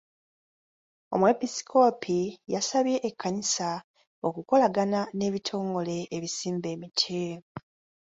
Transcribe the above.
Omwepisikoopi yasabye ekkanisa okukolagana n'ebitongole ebisimba emiti.